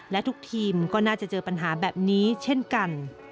และทุกทีมก็น่าจะเจอปัญหาแบบนี้เช่นกัน